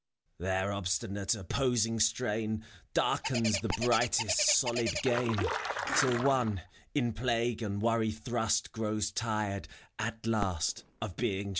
FAUST. Their obstinate, opposing strain Darkens the brightest solid gain. Till one, in plague and worry thrust Grows tired, at last, of being just.